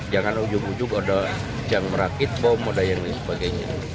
jangan ujung ujung jangan merakit bom moda yang lain sebagainya